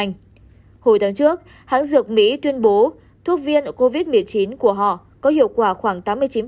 hồi tháng trước hãng dược mỹ tuyên bố thuốc viêm ở covid một mươi chín của họ có hiệu quả khoảng tám mươi chín